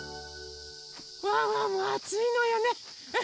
ワンワンもあついのよね。